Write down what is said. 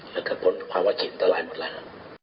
และพวกมันภาวะกินตลายหมดแล้ว